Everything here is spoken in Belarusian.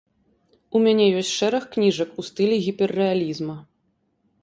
У мяне ёсць шэраг кніжак у стылі гіперрэалізма.